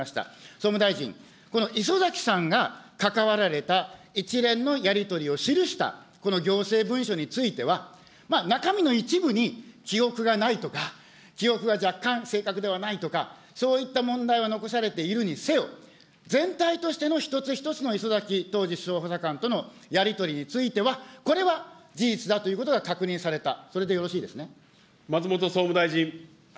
総務大臣、この礒崎さんが関わられた一連のやり取りを記したこの行政文書については、中身の一部に記憶がないとか、記憶が若干正確ではないとか、そういった問題は残されているにせよ、全体としての一つ一つの礒崎、当時首相補佐官とのやり取りについては、これは事実だということが確認された、それでよろしいですね。